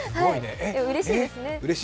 うれしいですね。